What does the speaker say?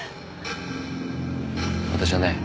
私はね